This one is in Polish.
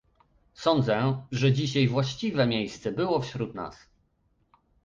Sądzę, że dziś jej właściwe miejsce było wśród nas